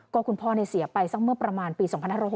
ก็คุณพ่อเสียไปสักเมื่อประมาณปี๒๕๖๐